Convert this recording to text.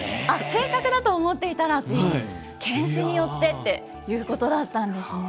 性格だと思っていたら、犬種によってっていうことだったんですね。